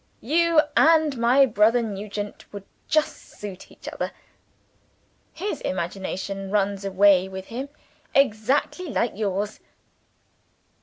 You and my brother Nugent would just suit each other. His imagination runs away with him, exactly like yours."